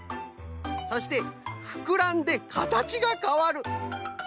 そして「ふくらんでかたちがかわる」。